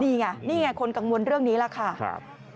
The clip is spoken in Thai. นี่ไงนี่ไงคนกังวลเรื่องนี้แหละค่ะ